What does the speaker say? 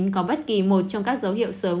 có bất kỳ một trong các dấu hiệu sớm